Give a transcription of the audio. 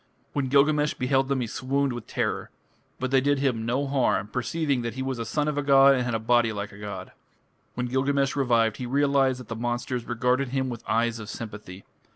When Gilgamesh beheld them he swooned with terror. But they did him no harm, perceiving that he was a son of a god and had a body like a god. When Gilgamesh revived, he realized that the monsters regarded him with eyes of sympathy.